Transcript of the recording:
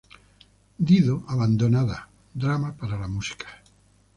Dido abandonada, drama para la música.